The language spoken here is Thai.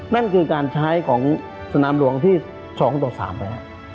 นั่นคือการใช้ของสนามหลวงที่๒ต่อ๓ไปแล้ว